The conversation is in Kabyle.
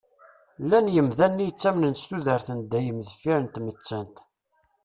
Llan yemdanen i yettamnen s tudert n dayem deffir n tmettant.